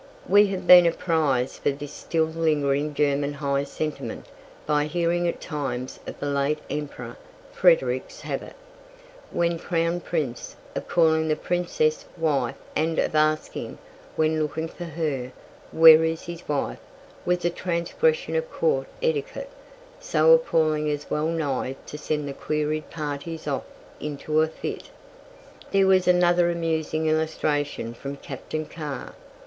We have been apprised of this still lingering German high sentiment by hearing at times of the late Emperor Frederick's habit, when Crown Prince, of calling the Princess "wife," and of asking, when looking for her, where his "wife" was a transgression of court etiquette so appalling as well nigh to send the queried parties off into a fit. There was another amusing illustration from Captain Carr.